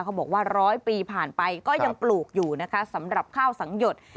บอกว่าร้อยปีผ่านไปก็ยังปลูกอยู่นะคะสำหรับข้าวสังหยด